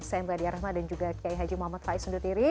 saya mbak diarahma dan juga kyai haji muhammad faiz sundutiri